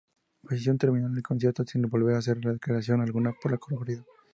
Poison termino el concierto sin volver a hacer declaración alguna por lo ocurrido.